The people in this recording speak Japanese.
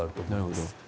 なるほど。